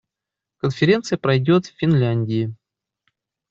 Конференция пройдет в Финляндии.